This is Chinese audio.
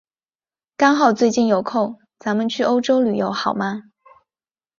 刚好最近有空，咱们去欧洲旅游好吗？